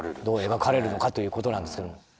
どう描かれるのかということなんですけども。